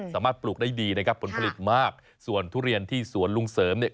ปลูกได้ดีนะครับผลผลิตมากส่วนทุเรียนที่สวนลุงเสริมเนี่ย